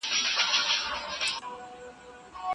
هغه سړی په اجتماع کي په عزت ژوند کوي.